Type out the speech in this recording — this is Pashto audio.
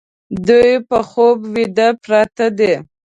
دوی په خوب ویده پراته دي